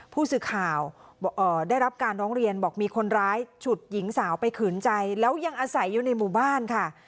ผู้สื่อข่าวได้รับการร้องเรียนบอกมีคนร้ายฉุดหญิงสาวไปขืนใจแล้วยังอาศัยอยู่ในหมู่บ้านค่ะ